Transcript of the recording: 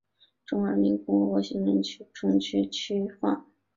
中华人民共和国行政区重新区划。